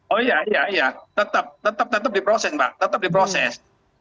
oh iya iya iya tetap tetap tetap diproses pak tetap diproses